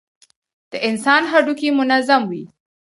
د انسان هډوکى منظم وي.